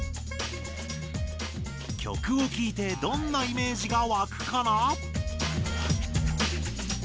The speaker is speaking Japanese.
曲をきいてどんなイメージがわくかな？